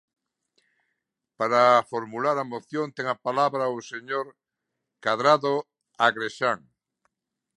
Para formular a moción ten a palabra o señor Cadrado Agrexán.